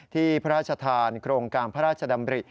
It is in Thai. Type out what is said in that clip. พระราชทานโครงการพระราชดำริ